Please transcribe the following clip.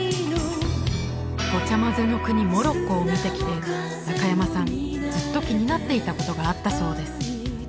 ごちゃまぜの国モロッコを見てきて中山さんずっと気になっていたことがあったそうです